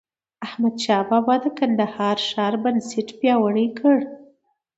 احمدشاه بابا د کندهار ښار بنسټ پیاوړی کړ.